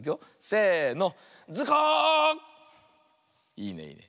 いいねいいね。